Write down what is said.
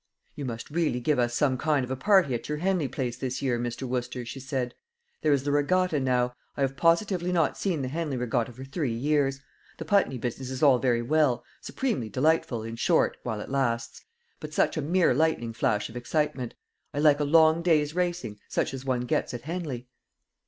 "You must really give us some kind of a party at your Henley place this year, Mr. Wooster," she said. "There is the regatta now; I have positively not seen the Henley regatta for three years. The Putney business is all very well supremely delightful, in short, while it lasts but such a mere lightning flash of excitement. I like a long day's racing, such as one gets at Henley."